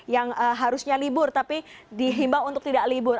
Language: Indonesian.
yang harusnya libur tapi dihimbau untuk tidak libur